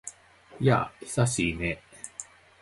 やあ、久しいね。